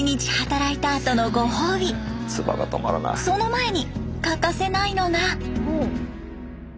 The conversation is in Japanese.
その前に欠かせないのが。